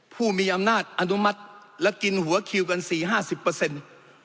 ผู้มีอำนาจอนุมัติและกินหัวคิวกันสี่ห้าสิบเปอร์เซ็นต์